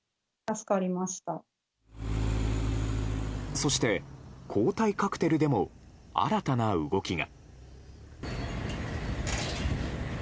そして、抗体カクテルでも新たな動きが。